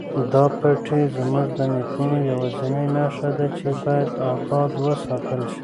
دا پټی زموږ د نیکونو یوازینۍ نښه ده چې باید اباد وساتل شي.